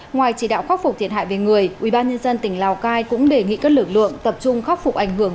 ngoài chỉ đạo khắc phục thiệt hại về người ubnd tỉnh lào cai cũng đề nghị các lực lượng tập trung khắc phục ảnh hưởng